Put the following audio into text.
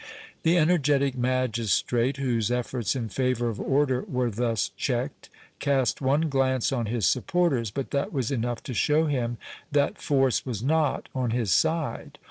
The energetic magistrate, whose efforts in favour of order were thus checked, cast one glance on his supporters, but that was enough to show him that force was not on his side.